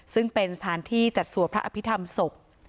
ซึ่งเป็นสถานที่จัดสวดพระอภิษฐรรมศพ